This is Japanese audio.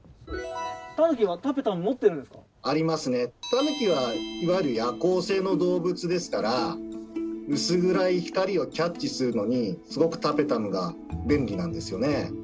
タヌキはいわゆる夜行性の動物ですから薄暗い光をキャッチするのにすごくタペタムが便利なんですよね。